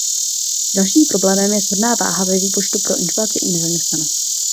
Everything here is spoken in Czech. Dalším problémem je shodná váha ve výpočtu pro inflaci i nezaměstnanost.